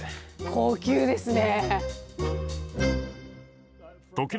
高級ですね。